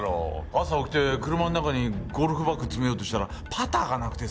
朝起きて車の中にゴルフバッグ積めようとしたらパターがなくてさ。